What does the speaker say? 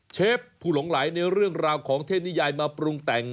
เชฟผู้หลงไหลในเรื่องราวของเทศนิยายมาปรุงแต่ง